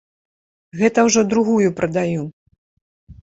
Гэта ўжо другую прадаю.